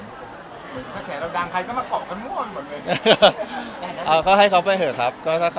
มีความถามว่าเกษตรภายม้อนที่เราคอยท่องความเกษตรภายที่มีความความเกาะทุกคน